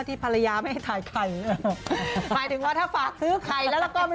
ชาวเน็ตก็มาแซวกัน